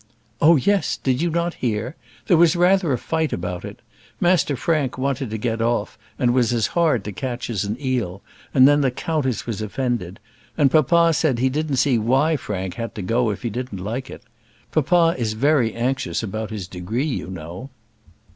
"Oh, yes; did you not hear? There was rather a fight about it. Master Frank wanted to get off, and was as hard to catch as an eel, and then the countess was offended; and papa said he didn't see why Frank was to go if he didn't like it. Papa is very anxious about his degree, you know."